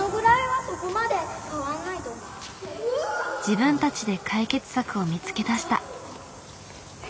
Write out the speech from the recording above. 自分たちで解決策を見つけ出した。